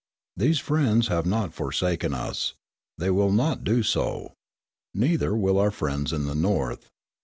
These friends have not forsaken us. They will not do so. Neither will our friends in the North.